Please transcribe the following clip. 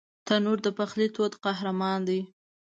تنور د پخلي تود قهرمان دی